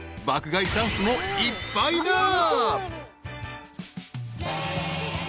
［爆買いチャンスもいっぱいだ］